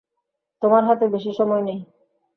তোমার হাতে বেশি সময় নেই।